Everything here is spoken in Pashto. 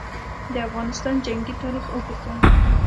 د افغانستان جنګي تاریخ اوږد دی.